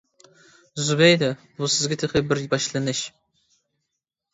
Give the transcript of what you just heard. زۇبەيدە، بۇ سىزگە تېخى بىر باشلىنىش.